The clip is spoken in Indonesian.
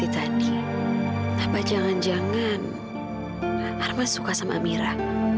jangan arman suka sama amira